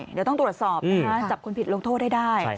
เดี๋ยวต้องตรวจสอบนะคะจับคนผิดลงโทษให้ได้